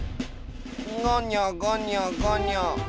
ごにょごにょごにょ。